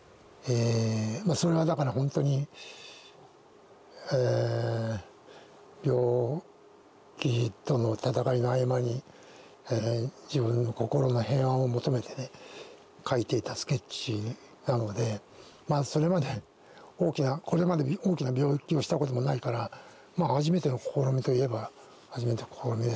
それはだからほんとに病気との闘いの合間に自分の心の平安を求めてね書いていたスケッチなのでまあそれまでこれまで大きな病気をしたこともないから初めての試みといえば初めての試みですね。